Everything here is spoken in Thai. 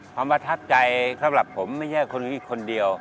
ความประทับใจของผมไม่ใช่คนอีกคนเดียว